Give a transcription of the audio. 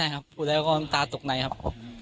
ยังทำไม่ได้ครับพูดแล้วก็ตาตกในครับ